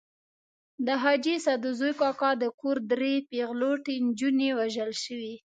د حاجي سدوزي کاکا د کور درې پېغلوټې نجونې وژل شوې.